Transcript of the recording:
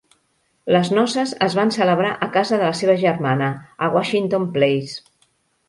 Les noces es van celebrar a casa de la seva germana, a Washington Place.